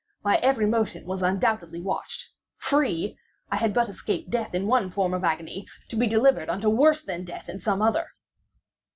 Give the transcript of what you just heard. My every motion was undoubtedly watched. Free!—I had but escaped death in one form of agony, to be delivered unto worse than death in some other.